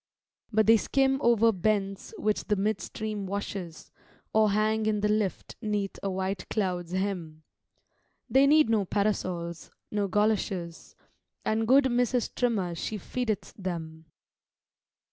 But they skim over bents which the midstream washes, Or hang in the lift 'neath a white cloud's hem; They need no parasols, no goloshes; And good Mrs. Trimmer she feedeth them.